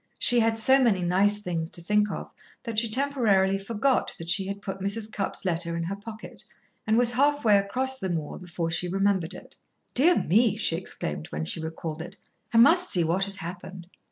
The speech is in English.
She had so many nice things to think of that she temporarily forgot that she had put Mrs. Cupp's letter in her pocket, and was half way across the moor before she remembered it. "Dear me!" she exclaimed when she recalled it. "I must see what has happened."